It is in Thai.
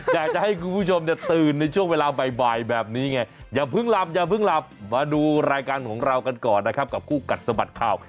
อยากจะให้คุณผู้ชมเนี่ยตื่นในช่วงเวลาบ่ายแบบนี้ไงอย่าเพิ่งหลับอย่าเพิ่งหลับมาดูรายการของเรากันก่อนนะครับกับคู่กัดสะบัดข่าว